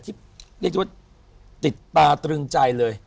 ที่เรียกว่าติดตาตระลังใจเลย